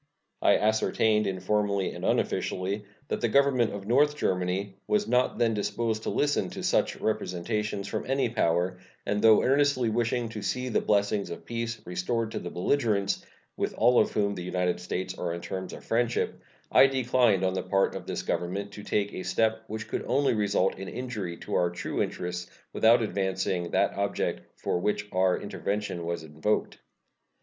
I ascertained, informally and unofficially, that the Government of North Germany was not then disposed to listen to such representations from any power, and though earnestly wishing to see the blessings of peace restored to the belligerents, with all of whom the United States are on terms of friendship, I declined on the part of this Government to take a step which could only result in injury to our true interests without advancing the object for which our intervention was invoked.